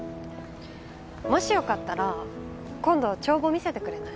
もしよかったら今度帳簿見せてくれない？